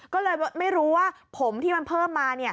ก็เลยไม่รู้ว่าผมที่มันเพิ่มมา